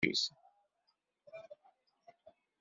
D kemm ay d timsujjit?